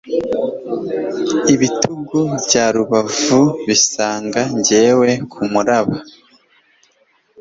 ibitugu bya rubavu bisanga njyewe kumuraba